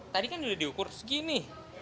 tadi kan sudah diukur segini